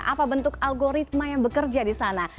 apa bentuk algoritma yang bekerja di sana